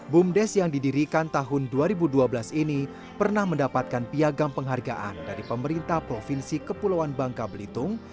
bumdes yang didirikan tahun dua ribu dua belas ini pernah mendapatkan piagam penghargaan dari pemerintah provinsi kepulauan bangka belitung